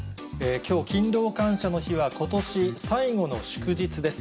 きょう、勤労感謝の日は、ことし最後の祝日です。